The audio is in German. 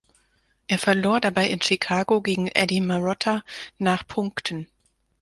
Er verlor dabei in Chicago gegen Eddie Marotta nach Punkten.